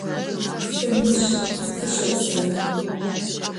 Se mış sışepseu.